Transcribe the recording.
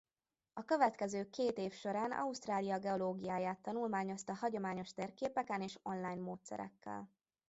A következő két év során Ausztrália geológiáját tanulmányozta hagyományos térképeken és online módszerekkel.